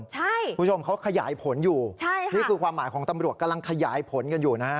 คุณผู้ชมเขาขยายผลอยู่ใช่ค่ะนี่คือความหมายของตำรวจกำลังขยายผลกันอยู่นะฮะ